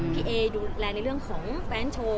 พี่เอดูแลในเรื่องของแฟนโชว์